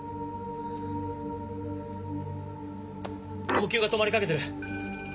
呼吸が止まりかけてる。